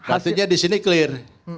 artinya disini clear